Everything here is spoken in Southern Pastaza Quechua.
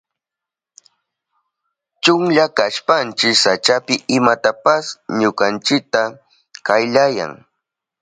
Chunlla kashpanchi sachapi imapas ñukanchita kayllayan.